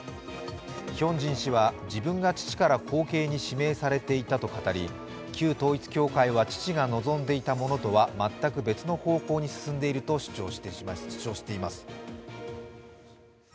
ヒョンジン氏は自分が父から後継に指名されていたと語り旧統一教会は父が望んでいたものとは全く別の方向に進んでいると主張しています。